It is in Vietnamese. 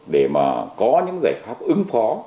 để có những giải pháp ứng phó